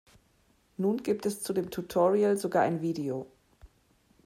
Nun gibt es zu dem Tutorial sogar ein Video.